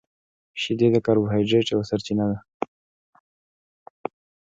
• شیدې د کاربوهایډریټ یوه سرچینه ده.